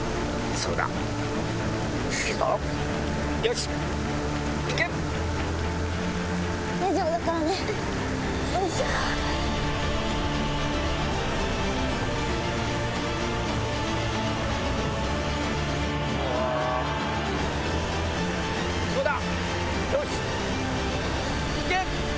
そうだ！